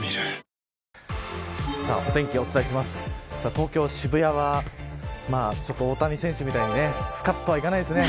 東京、渋谷は大谷選手みたいにすかっとはいかないですね。